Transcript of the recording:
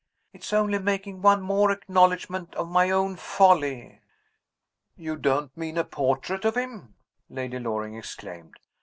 It's only making one more acknowledgment of my own folly." "You don't mean a portrait of him!" Lady Loring exclaimed.